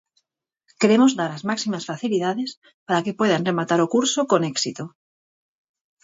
Queremos dar as máximas facilidades para que poidan rematar o curso con éxito.